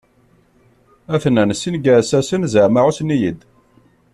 Ha-ten-an sin n yiɛessasen zaɛma ɛussen-iyi-d.